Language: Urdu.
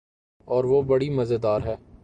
اوروہ بڑی مزیدار ہے۔